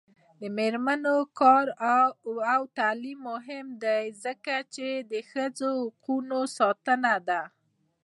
د میرمنو کار او تعلیم مهم دی ځکه چې ښځو حقونو ساتنه ده.